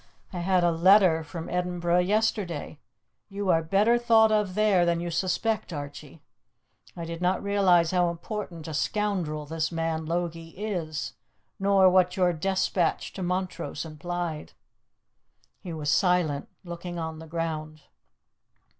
I had a letter from Edinburgh yesterday; you are better thought of there than you suspect, Archie. I did not realize how important a scoundrel this man Logie is, nor what your despatch to Montrose implied." He was silent, looking on the ground.